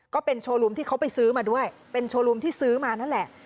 ก็เป็นโชว์รูมที่เขาไปซื้อมาด้วยเป็นโชว์รูมที่ซื้อมานั่นแหละ